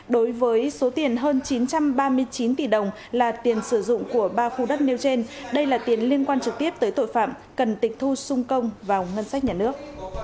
đối với số tiền hơn chín trăm ba mươi chín tỷ đồng là tiền sử dụng của ba khu đất nêu trên đây là tiền liên quan trực tiếp tới tội phạm cần tịch thu xung công vào ngân sách nhà nước